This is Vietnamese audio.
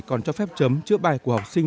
còn cho phép chấm trước bài của học sinh